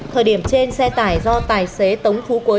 thời điểm trên xe tải do tài xế tống phú cuối